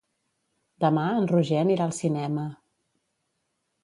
Demà en Roger anirà al cinema.